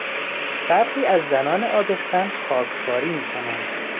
برخی از زنان آبستن خاکخواری میکنند.